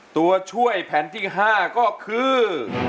ตัวช่วยแผ่นที่๕ก็คือ